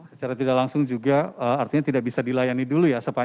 secara tidak langsung juga artinya tidak bisa dilayani dulu ya